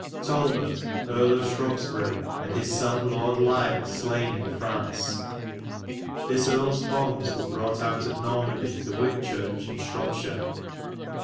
Talbot Erie of Shrobbesbyri and his sonne Lord Lisle slayne in Fraunce. This erles bones were browght out of Normandy to Whitchurche in Shrobbeshire.